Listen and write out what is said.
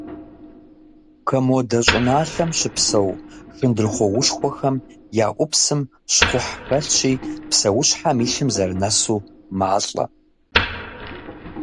Комодо щӏыналъэм щыпсэу шындрыхъуоушхуэхэм я ӏупсым щхъухь хэлъщи, псэущхьэм и лъым зэрынэсу малӏэ.